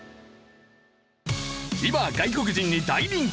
今外国人に大人気！